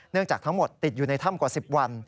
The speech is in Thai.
จากทั้งหมดติดอยู่ในถ้ำกว่า๑๐วัน